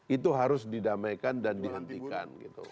itu harus didamaikan dan dihentikan